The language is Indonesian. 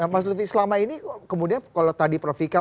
mas lutfi selama ini kemudian kalau tadi prof vika